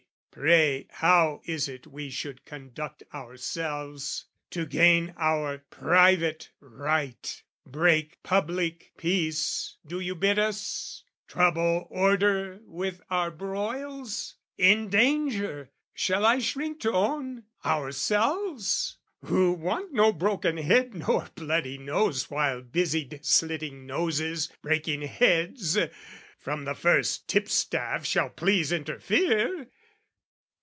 Pray, how is it we should conduct ourselves? To gain our private right break public peace, Do you bid us? trouble order with our broils? Endanger...shall I shrink to own...ourselves? Who want no broken head nor bloody nose (While busied slitting noses, breaking heads) From the first tipstaff shall please interfere!